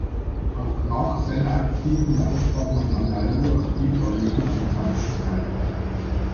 Auch nach seiner aktiven Laufbahn nahm Arnaldo aktiv am Leben von Santos teil.